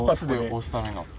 押すための。